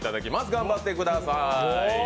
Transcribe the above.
頑張ってください。